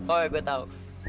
oh ya gue tau